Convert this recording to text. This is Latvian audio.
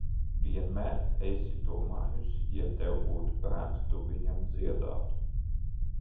Vienmēr esi domājusi, ja tev būtu bērns, tu viņam dziedātu.